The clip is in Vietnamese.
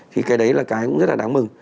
thì cái đấy là cái cũng rất là đáng mừng